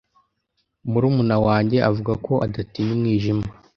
Murumuna wanjye avuga ko adatinya umwijima.